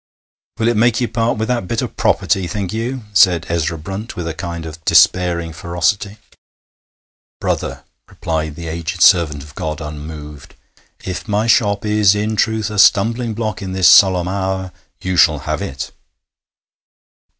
'Will it make you part with that bit o' property, think you?' said Ezra Brunt, with a kind of despairing ferocity. 'Brother,' replied the aged servant of God, unmoved, 'if my shop is in truth a stumbling block in this solemn hour, you shall have it.'